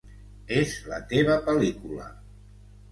És la teva pel·lícula.